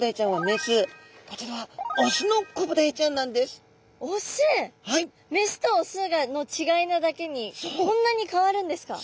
メスとオスの違いなだけにこんなに変わるんですか？